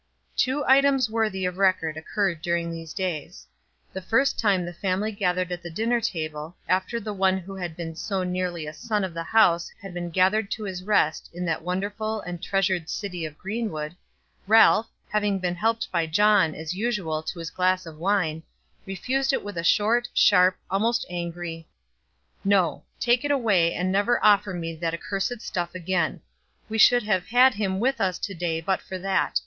Two items worthy of record occurred during these days. The first time the family gathered at the dinner table, after the one who had been so nearly a son of the house had been carried to his rest in that wonderful and treasured city of Greenwood, Ralph, being helped by John, as usual, to his glass of wine, refused it with a short, sharp, almost angry "No. Take it away and never offer me the accursed stuff again. We should have had him with us to day but for that.